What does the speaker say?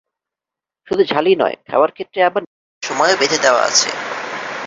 শুধু ঝালই নয়, খাওয়ার ক্ষেত্রে আবার নির্দিষ্ট সময়ও বেঁধে দেওয়া আছে।